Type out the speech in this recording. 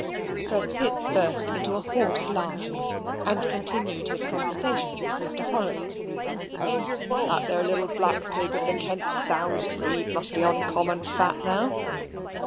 Sir Pitt burst into a horse laugh, and continued his conversation with Mr. Horrocks. "That there little black pig of the Kent sow's breed must be uncommon fat now."